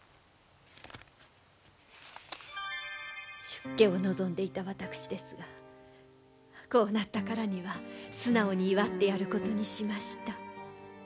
出家を望んでいた私ですがこうなったからには素直に祝ってやることにしました。